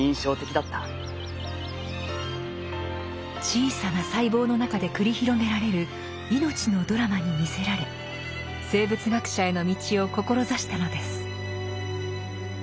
小さな細胞の中で繰り広げられる命のドラマに魅せられ生物学者への道を志したのです。